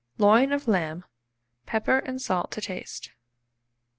Loin of lamb, pepper and salt to taste.